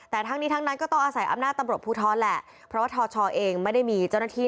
แต่ทั้งนี้ทั้งนั้นก็ต้องอาศัยอำนาจตำรวจภูทรแหละเพราะว่าทชเองไม่ได้มีเจ้าหน้าที่